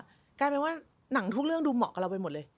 กลายเป็นว่าหนังทุกเรื่องดูเหมาะกับเราไปหมดเลย